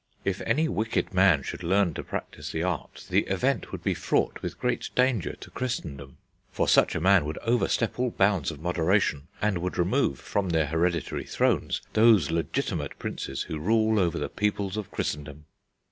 If any wicked man should learn to practise the Art, the event would be fraught with great danger to Christendom. For such a man would overstep all bounds of moderation, and would remove from their hereditary thrones those legitimate princes who rule over the peoples of Christendom."